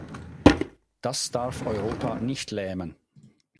Das darf Europa nicht lähmen.